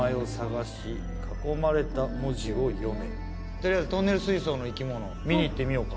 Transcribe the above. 取りあえずトンネル水槽の生き物見に行ってみようか。